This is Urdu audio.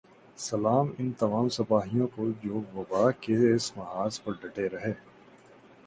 سلام ہے ان تمام سپاہیوں کو جو وبا کے اس محاذ پر ڈٹے رہے